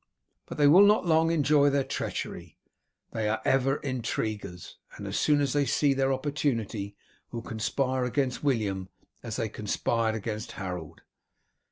But they will not long enjoy their treachery; they are ever intriguers, and as soon as they see their opportunity will conspire against William as they conspired against Harold.